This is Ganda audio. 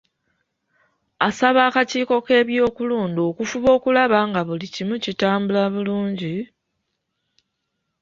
Asaba akakiiko k'ebyokulonda okufuba okulaba nga buli kimu kitambula bulungi,